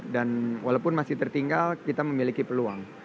dan walaupun masih tertinggal kita memiliki peluang